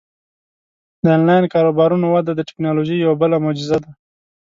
د آنلاین کاروبارونو وده د ټیکنالوژۍ یوه بله معجزه ده.